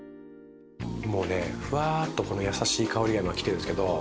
もうねふわっとこのやさしい香りが今きてるんですけど。